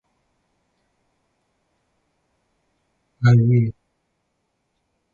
He was a strong proponent of abolishing the car tax.